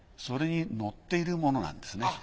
それに載っているものなんですね。